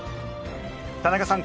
田中さん